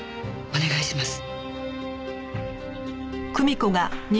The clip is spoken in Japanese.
お願いします。